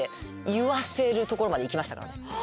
言わせるところまでいきました